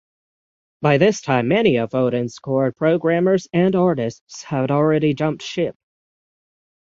By this time many of Odin's core programmers and artists had already jumped ship.